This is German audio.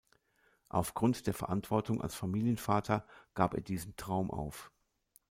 Aufgrund der Verantwortung als Familienvater gab er diesen Traum auf.